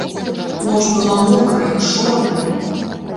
Ноч была мокрая, чорная.